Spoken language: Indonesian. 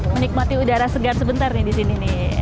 menikmati udara segar sebentar di sini